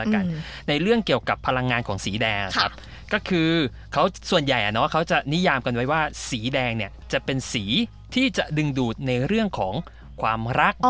เขาจะนิยามกันไว้ว่าสีแดงเนี่ยจะเป็นสีที่จะดึงดูดในเรื่องของความรัก